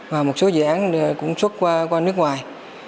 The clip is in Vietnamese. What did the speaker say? và một số dự án cũng xuất qua nước ngoài